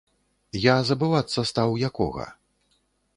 Я забывацца стаў, якога.